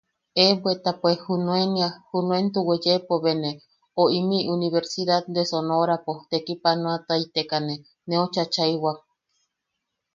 ¡Eh! bweta pues junuenia... junuento weeyepo be ne, o imiʼi universidad de sonorapo tekipanoataitekane neu chachaaʼewak.